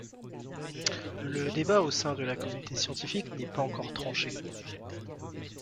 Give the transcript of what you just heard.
Le débat au sein de la communauté scientifique n'est pas encore tranché.